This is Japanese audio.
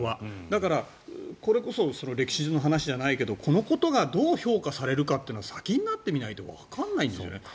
だから、これこそ歴史上の話じゃないけどこのことがどう評価されるかは先になってみないとわからないんだよね。